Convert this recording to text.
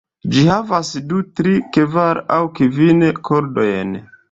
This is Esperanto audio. Ĝi havas du, tri, kvar aŭ kvin kordojn.